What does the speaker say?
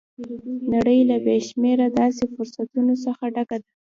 نړۍ له بې شمېره داسې فرصتونو څخه ډکه ده